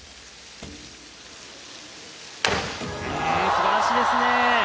すばらしいですね。